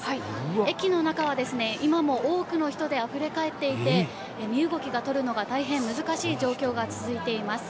駅の中は今も多くの人であふれかえっていて、身動きが取るのが大変難しい状況が続いています。